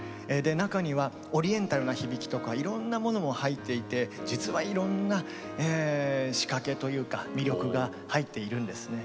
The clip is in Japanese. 中にはオリエンタルな響きとかいろんなものも入っていて実はいろんな仕掛けというか魅力が入っているんですね。